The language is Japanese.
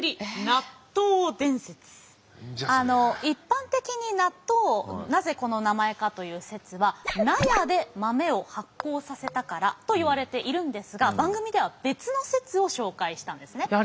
一般的に納豆なぜこの名前かという説は納屋で豆を発酵させたからといわれているんですが番組では別の説を紹介したんですね。